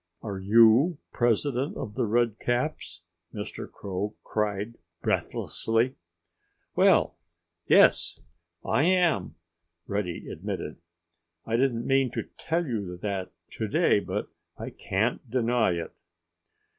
"Are you president of the Redcaps?" Mr. Crow cried breathlessly. "Well—yes, I am!" Reddy admitted. "I didn't mean to tell you that to day. But I can't deny it."